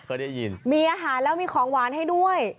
เคยได้ยินมีอาหารแล้วมีของหวานให้ด้วย